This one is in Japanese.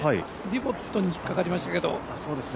ディボットに引っ掛かりましたけど。